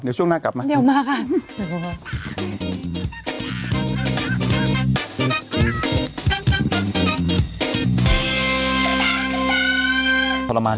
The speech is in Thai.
เดี๋ยวมากัน